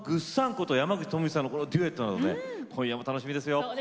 こと山口智充さんのデュエットなど今夜も楽しみですよ。